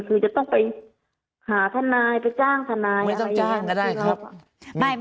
คือจะต้องไปหาทนายไปจ้างทนายไม่ต้องจ้างก็ได้ครับ